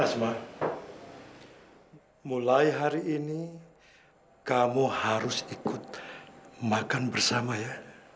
mulai hari ini kamu harus ikut makan bersama ya